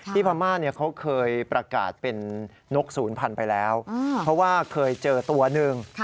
พม่าเขาเคยประกาศเป็นนกศูนย์พันธุ์ไปแล้วเพราะว่าเคยเจอตัวหนึ่ง